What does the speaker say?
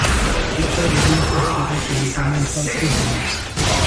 Victor Hugo considérait qu’elle n’était même pas publiée.